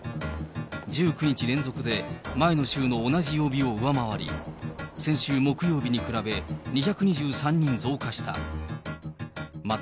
１９日連続で前の週の同じ曜日を上回り、先週木曜日に比べ、２２３人増加した。